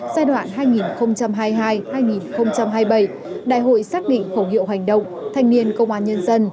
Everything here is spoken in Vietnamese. giai đoạn hai nghìn hai mươi hai hai nghìn hai mươi bảy đại hội xác định khẩu hiệu hành động thanh niên công an nhân dân